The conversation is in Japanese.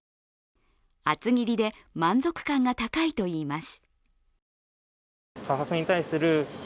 厚切りで満足感が高いといいます。